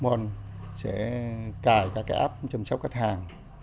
bà con sẽ cài cả cái app chăm sóc khách hàng